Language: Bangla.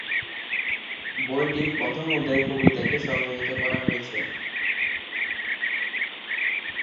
বইটির প্রথম অধ্যায়ে কবিতাকে সংজ্ঞায়িত করা হয়েছে।